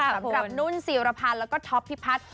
สำหรับนุ่นศิรพันธ์แล้วก็ท็อปพิพัฒน์